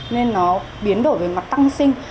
nên nó biến đổi về mặt tăng sinh